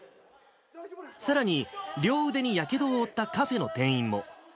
さらに、両腕にやけどを負ったカフェの店員も。